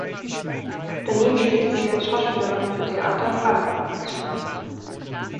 Daneben spielte sie als Schauspielerin für Theater- und Radio-Produktionen.